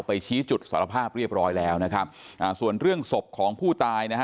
ชี้จุดสารภาพเรียบร้อยแล้วนะครับอ่าส่วนเรื่องศพของผู้ตายนะฮะ